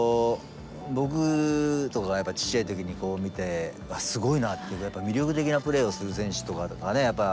僕とかがやっぱりちっちゃい時に見てうわっすごいなってやっぱ魅力的なプレーをする選手とかがね